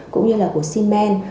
cũng như là của siemens